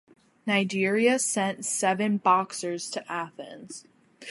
Nigeria sent seven boxers to Athens.